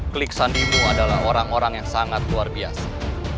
klik sandimu adalah orang orang yang sangat luar biasa